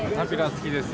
好きです。